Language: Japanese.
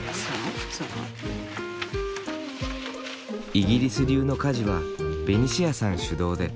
イギリス流の家事はベニシアさん主導で。